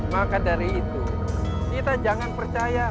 maka dari itu kita jangan percaya